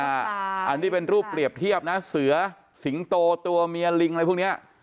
อันนี้เป็นรูปเปรียบเทียบนะเสือสิงโตตัวเมียลิงอะไรพวกนี้